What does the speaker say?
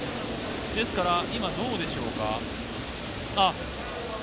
ですから今どうでしょうか。